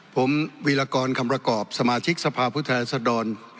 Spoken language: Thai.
ผมวิรากรคำระกอบสมาชิกสภาพุทธแหลศดร